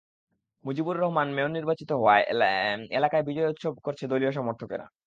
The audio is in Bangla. মুজিবুর রহমান মেয়র নির্বাচিত হওয়ায় এলাকায় বিজয় উৎসব করছে দলীয় সমর্থকেরা।